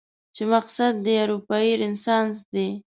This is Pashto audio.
چې مقصد دې اروپايي رنسانس دی؟